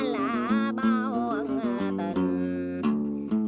lạ bao ân tình